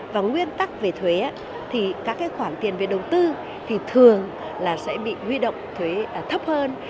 và nguyên tắc về thuế thì các khoản tiền về đầu tư thì thường là sẽ bị huy động thuế thấp hơn